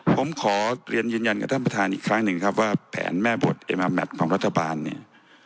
ผมขอเรียนยืนยันกับท่านประธานอีกครั้งหนึ่งครับว่าแผนแม่บทเอมาแมทของรัฐบาลเนี่ย